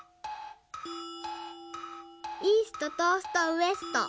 「イースト」「トースト」「ウエスト」。